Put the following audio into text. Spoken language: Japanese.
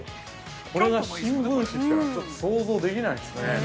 これが新聞紙ってのはちょっと想像できないですね。